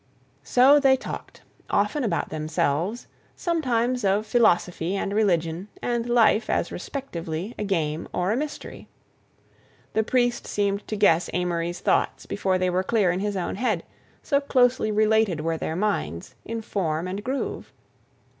So they talked, often about themselves, sometimes of philosophy and religion, and life as respectively a game or a mystery. The priest seemed to guess Amory's thoughts before they were clear in his own head, so closely related were their minds in form and groove.